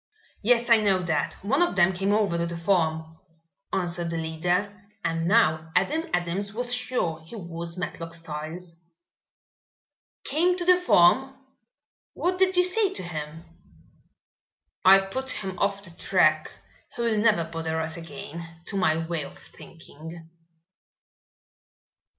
"Yes, I know that. One of them came over to the farm," answered the leader, and now Adam Adams was sure he was Matlock Styles. "Came to the farm? What did you say to him?" "I put him off the track. He will never bother us again, to my way of thinking."